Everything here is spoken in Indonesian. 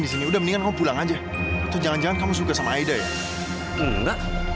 disini udah mendingan kamu pulang aja itu jangan jangan kamu suka sama aida ya nggak